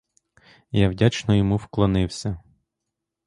Я вдячно йому вклонився.